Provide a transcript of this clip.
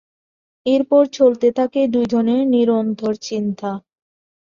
এরপর চলতে থাকে দুই জনের নিরন্তর চিন্তা।